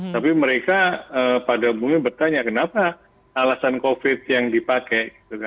tapi mereka pada umumnya bertanya kenapa alasan covid yang dipakai